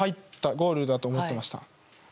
ゴールだ！と思ってました。